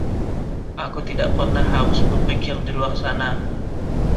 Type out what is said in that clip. Aku tidak pernah harus berpikir di luar sana.